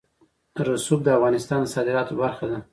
رسوب د افغانستان د صادراتو برخه ده.